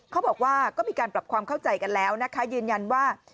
เขาบอกว่าก็มีการปรับความเข้าใจกันแล้วนะคะยืนยันว่า